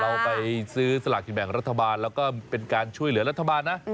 เราไปซื้อสลากกินแบ่งรัฐบาลแล้วก็เป็นการช่วยเหลือรัฐบาลนะ